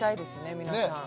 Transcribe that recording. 皆さん。